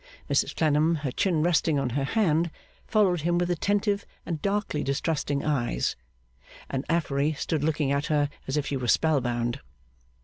Mrs Clennam, her chin resting on her hand, followed him with attentive and darkly distrustful eyes; and Affery stood looking at her as if she were spell bound.